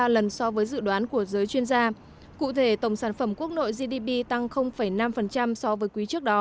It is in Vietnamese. lần so với dự đoán của giới chuyên gia cụ thể tổng sản phẩm quốc nội gdp tăng năm so với quý